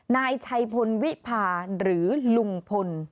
นายชัยพลวิพาหรือลุงพล